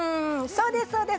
そうです、そうです。